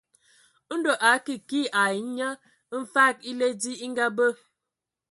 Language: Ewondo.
Ndɔ a akə kii ai nye mfag èle dzi e ngabe.